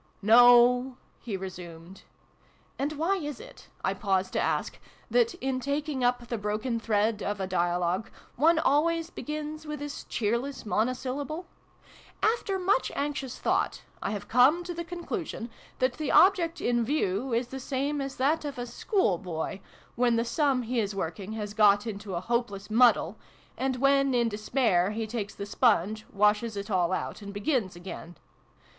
" No," he resumed and zv/ty is it, I pause to ask, that, in taking up the broken thread of a dialogue, one always begins with this cheerless monosyl lable ? After much anxious thought, I have come to the conclusion that the object in view is the same as that of the schoolboy, when the sum he is working has got into a hopeless muddle, and when in despair he takes the sponge, washes it all out, and begins again.